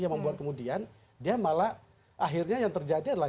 yang membuat kemudian dia malah akhirnya yang terjadi adalah